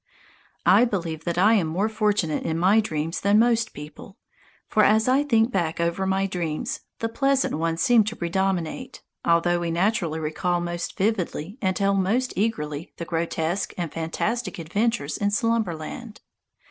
I believe that I am more fortunate in my dreams than most people; for as I think back over my dreams, the pleasant ones seem to predominate, although we naturally recall most vividly and tell most eagerly the grotesque and fantastic adventures in Slumberland.